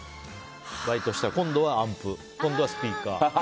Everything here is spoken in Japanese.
バイトして今度はアンプ、今度はスピーカー。